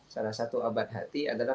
salah satu abad hati adalah